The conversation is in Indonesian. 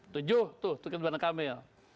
tujuh tuh tunjukin ridwan kamil